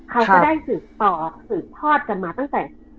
เขาก็ได้สืบต่อสืบทอดกันมาตั้งแต่